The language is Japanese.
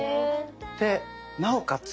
でなおかつ